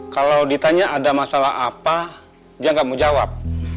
kalau ditanya ada masalah apa dia nggak mau jawab